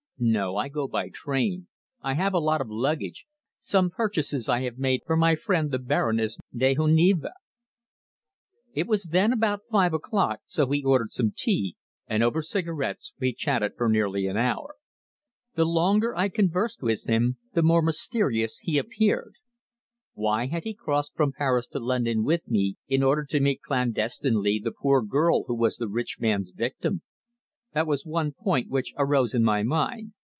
"No. I go by train. I have a lot of luggage some purchases I have made for my friend the Baroness de Henonville." It was then about five o'clock, so he ordered some tea, and over cigarettes we chatted for nearly an hour. The longer I conversed with him the more mysterious he appeared. Why had he crossed from Paris to London with me in order to meet clandestinely the poor girl who was the rich man's victim? That was one point which arose in my mind.